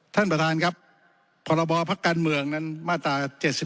ท่านประธานครับพรบพักการเมืองนั้นมาตรา๗๒